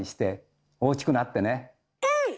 うん！